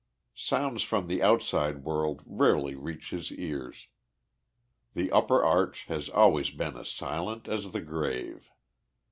Sounds from the outside world rarely reach his ears. The upper arch has always been as silent as the grave.